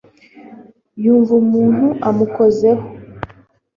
yumva umuntu amukozeho